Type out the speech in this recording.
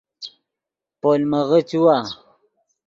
پولمغے چیوا